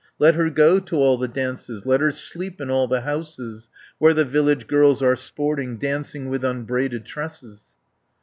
Let her go to all the dances, Let her sleep in all the houses, Where the village girls are sporting, Dancing with unbraided tresses."